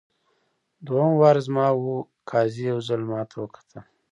دوهم وار زما وو قاضي یو ځل ماته وکتل.